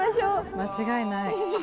間違いない。